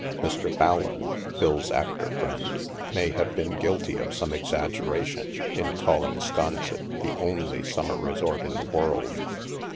CHAPTER II Mr. Fallon (Phirs actor friend) may have been guilty of some exaggeration in calling Sconset " the only summer resort in the world."